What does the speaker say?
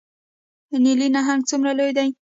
نیلي نهنګ څومره لوی دی؟